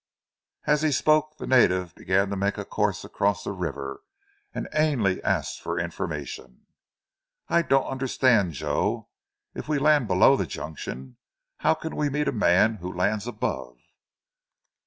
As he spoke the native began to make a course across the river, and Ainley asked for information. "I don't understand, Joe. If we land below the junction how can we meet a man who lands above?"